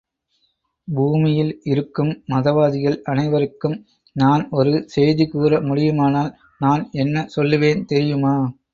பூமியில் இருக்கும் மதவாதிகள் அனைவருக்கும் நான் ஒரு செய்தி கூற முடியுமானால், நான் என்ன சொல்லுவேன் தெரியுமா!